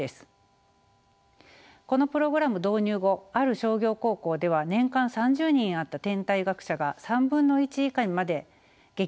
このプログラム導入後ある商業高校では年間３０人あった転退学者が３分の１以下にまで激減しました。